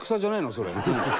それ。